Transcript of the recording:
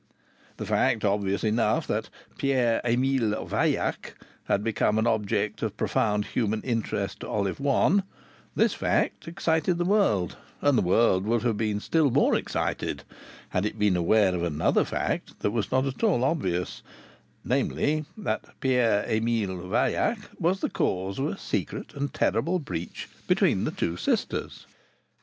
The fact, obvious enough, that Pierre Emile Vaillac had become an object of profound human interest to Olive One this fact excited the world, and the world would have been still more excited had it been aware of another fact that was not at all obvious: namely, that Pierre Emile Vaillac was the cause of a secret and terrible breach between the two sisters.